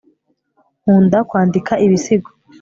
nkunda kwandika ibisigo